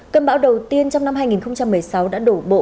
cơn bão đầu tiên trong năm hai nghìn một mươi sáu đã đổ bộ